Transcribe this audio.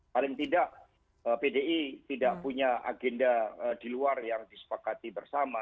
paling tidak pdi tidak punya agenda di luar yang disepakati bersama